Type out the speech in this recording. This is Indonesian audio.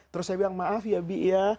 terus saya bilang maaf ya bi ya